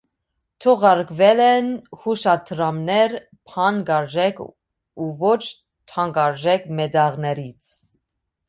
Թողարկվել են հուշադրամներ թանկարժեք ու ոչ թանկարժեք մետաղներից։